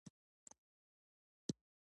احترام څنګه مینه پیدا کوي؟